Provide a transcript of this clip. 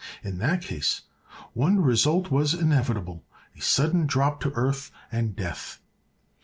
In that case one result was inevitable—a sudden drop to earth, and death.